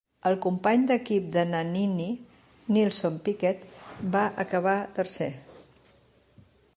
El company d'equip de Nannini, Nelson Piquet, va acabar tercer.